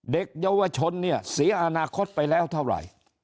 เด็กเยาวชนเนี่ยเสียอนาคตไปแล้วเท่าไหร่